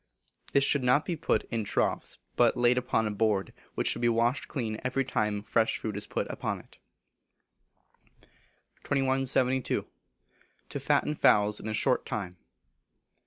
This should not be put in troughs, but laid upon a board, which should be washed clean every time fresh food is put upon it. 2172. To Fatten Fowls in a Short Time.